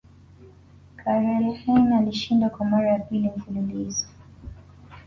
KarlHeine alishinda Kwa mara ya pili mfululizo